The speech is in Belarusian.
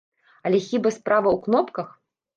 Але хіба справа ў кнопках?